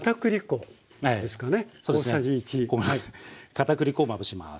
片栗粉をまぶします。